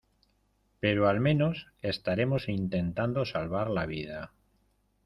pero al menos estaremos intentando salvar la vida.